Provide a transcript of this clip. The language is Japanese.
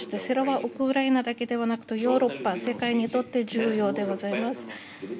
それはウクライナだけではなくヨーロッパ、世界にとって重要でございます。